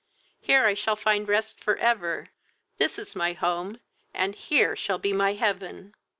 here I shall find rest for ever: this is my home, and here shall be my heaven!"